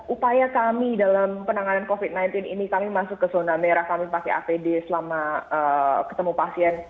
upaya kami dalam penanganan covid sembilan belas ini kami masuk ke zona merah kami pakai apd selama ketemu pasien